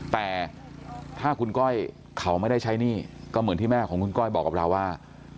แต่ถ้าคุณก้อยเขาไม่ได้ใช้หนี้ก็เหมือนที่แม่ของคุณก้อยบอกกับเราว่า